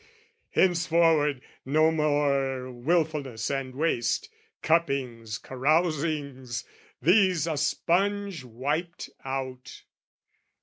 Henceforward no more wilfulness and waste, Cuppings, carousings, these a sponge wiped out.